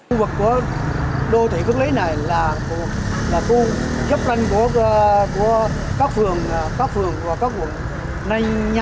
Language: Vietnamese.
khu vực của đô thị phước lý này là khu chấp năng của các phường các phường và các quận